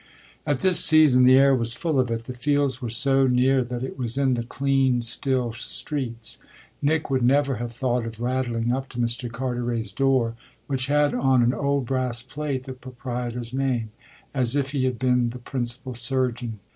At this season the air was full of it the fields were so near that it was in the clean, still streets. Nick would never have thought of rattling up to Mr. Carteret's door, which had on an old brass plate the proprietor's name, as if he had been the principal surgeon.